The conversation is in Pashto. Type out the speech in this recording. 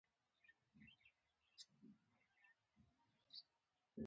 هغه غواړي چې له تا سره د بیلیارډ لوبه وکړي.